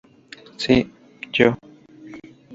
Si yo!